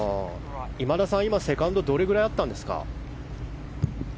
今田さん、セカンドどれくらいあったんですか？